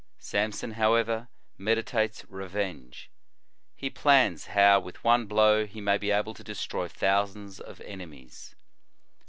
Samson, however, meditates revenge. He plans how, with one blow, he may be able to destroy thousands of enemies.